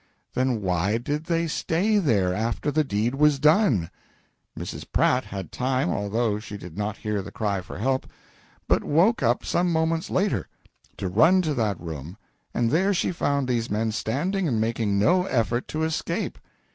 "Then why did they stay there, after the deed was done? Mrs. Pratt had time, although she did not hear the cry for help, but woke up some moments later, to run to that room and there she found these men standing and making no effort to escape.